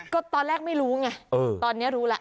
ก็ตอนแรกไม่รู้ไงตอนนี้รู้แล้ว